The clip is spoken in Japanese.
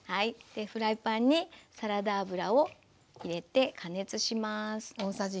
フライパンにサラダ油を入れて加熱します。